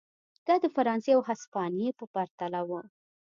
دا د فرانسې او هسپانیې په پرتله و.